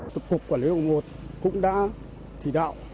tục cục quản lý hội một cũng đã chỉ đạo